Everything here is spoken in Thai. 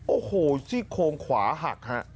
โอ้โหซี่โครงขวาหักฮะ